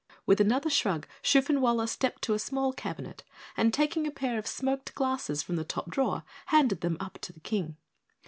With another shrug, Shoofenwaller stepped to a small cabinet, and taking a pair of smoked glasses from the top drawer, handed them up to the King.